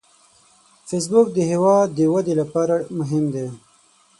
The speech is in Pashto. فېسبوک د هیواد د ودې لپاره مهم دی